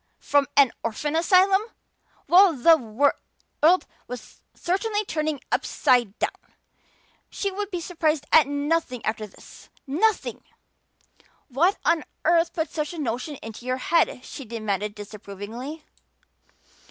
From an orphan asylum! Well, the world was certainly turning upside down! She would be surprised at nothing after this! Nothing! "What on earth put such a notion into your head?" she demanded disapprovingly.